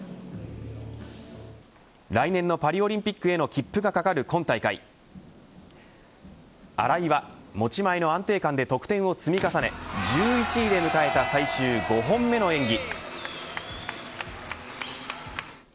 来年のパリオリンピックへの切符がかかる今大会荒井は持ち前の安定感で得点を積み重ね１１位で迎えた最終５本目の演技。